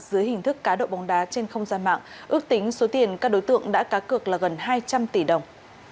dưới hình thức cá độ bóng đá trên không gian mạng ước tính số tiền các đối tượng đã cá cược là gần hai trăm linh tỷ đồng